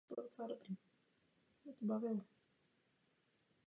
Vedle těchto námětů pro dospělé pokračovala i jeho filmová tvorba pro děti a mládež.